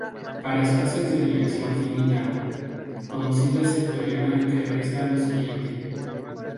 Para espacios de dimensión finita, conocido es el teorema que reza lo siguiente.